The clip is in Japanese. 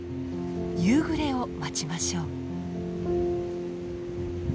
夕暮れを待ちましょう。